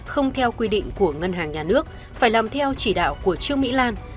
không theo quy định của ngân hàng nhà nước phải làm theo chỉ đạo của trương mỹ lan